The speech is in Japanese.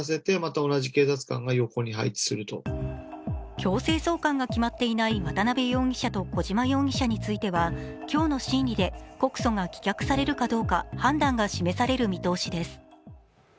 強制送還が決まっていない渡辺容疑者と小島容疑者については今日の審理で告訴が棄却されるかどうか判断が示される見通しです。